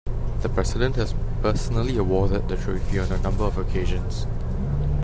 The President has personally awarded the trophy on a number of occasions.